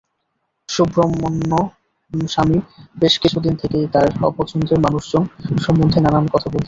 সুব্রহ্মণ্যম স্বামী বেশ কিছুদিন থেকেই তাঁর অপছন্দের মানুষজন সম্বন্ধে নানান কথা বলছিলেন।